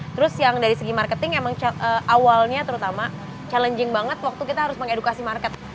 terus yang dari segi marketing emang awalnya terutama challenging banget waktu kita harus mengedukasi market